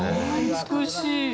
美しい。